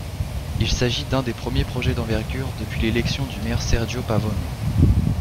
Il s’agit d’un des premiers projets d’envergures depuis l’élection du maire Sergio Pavone.